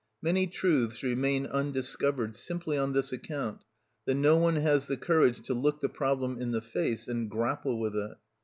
Many truths remain undiscovered simply on this account, that no one has the courage to look the problem in the face and grapple with it.